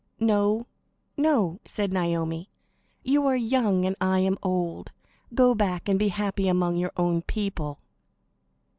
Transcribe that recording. "No, no," said Naomi. "You are young, and I am old. Go back and be happy among your own people."